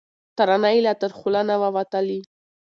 ترانه یې لا تر خوله نه وه وتلې